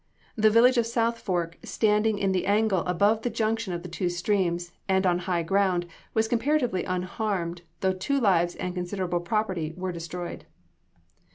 The village of South Fork, standing in the angle above the junction of two streams, and on high ground, was comparatively unharmed, though two lives and considerable property were destroyed.